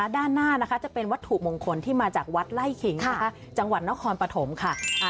ด้านหน้านะคะจะเป็นวัตถุมงคลที่มาจากวัดไล่ขิงนะคะจังหวัดนครปฐมค่ะ